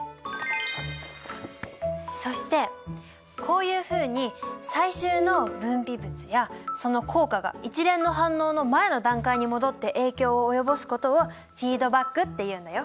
そしてこういうふうに最終の分泌物やその効果が一連の反応の前の段階に戻って影響を及ぼすことをフィードバックっていうんだよ。